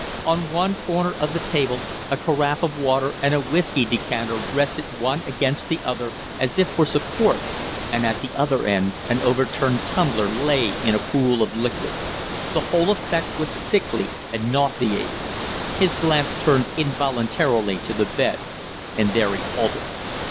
On one corner of the table a carafe of water and a whiskey decanter rested one against the other, as if for support, and at the other end an overturned tumbler lay in a pool of liquid. The whole effect was sickly and nauseating. His glance turned involuntarily to the bed, and there halted.